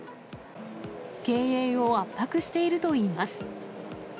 経営を圧迫しているといいます。